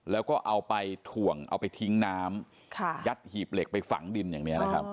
แล้วก็เอาไปถ่วงเอาไปทิ้งน้ำยัดหีบเหล็กไปฝังดินอย่างนี้นะครับ